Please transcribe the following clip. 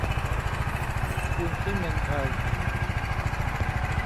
ปูนซิเมนต์ไทย